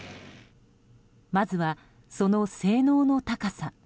まずは、その性能の高さ。